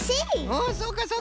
おそうかそうか。